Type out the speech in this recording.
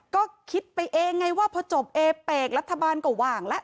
ก็คิดไปเองไงว่าพอจบเอเปกรัฐบาลก็หว่างแล้ว